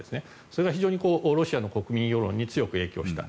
それが非常にロシアの国民世論に強く影響した。